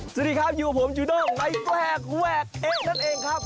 สวัสดีครับอยู่กับผมจูด้งในแวกแวกเอ๊ะนั่นเองครับ